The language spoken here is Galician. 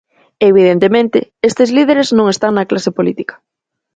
Evidentemente, estes líderes non están na clase política.